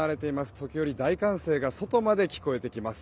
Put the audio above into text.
時折、大歓声が外まで聞こえてきます。